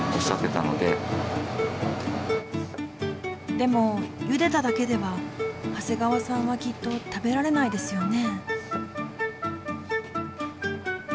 でもゆでただけでは長谷川さんはきっと食べられないですよね。